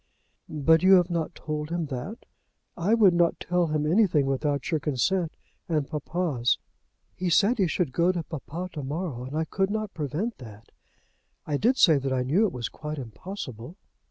"But you have not told him that?" "I would not tell him anything without your consent and papa's. He said he should go to papa to morrow, and I could not prevent that. I did say that I knew it was quite impossible."